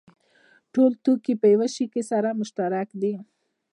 ټول توکي په یوه شي کې سره مشترک دي